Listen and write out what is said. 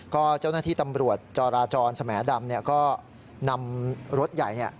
ก็เจ้าหน้าที่ตำรวจจราจรแสมดำเนี้ยก็นำรถใหญ่เนี้ย